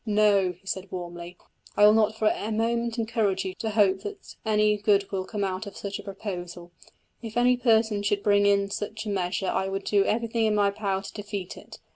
"No," he said warmly, "I will not for a moment encourage you to hope that any good will come of such a proposal. If any person should bring in such a measure I would do everything in my power to defeat it.